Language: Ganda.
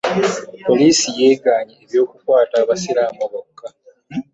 Poliisi yeganye eby'okukwaata abasiraamu boka.